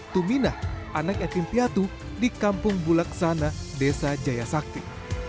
tumina anak etim piatu di kampung bulaksana desa jayasakti